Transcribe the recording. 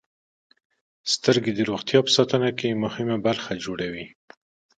• سترګې د روغتیا په ساتنه کې مهمه برخه جوړوي.